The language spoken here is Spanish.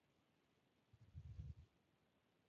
En la fachada de la parroquia destaca el estilo barroco.